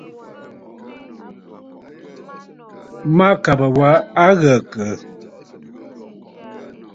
Mâkàbə̀ wa a ghə̀gə̀.